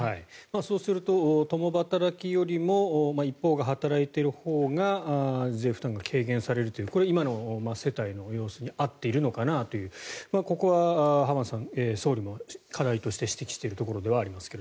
そうすると共働きよりも一方が働いているほうが税負担が軽減されるというこれ、今の世帯の様子に合ってるのかなというここは浜田さん総理も課題として指摘しているところではありますが。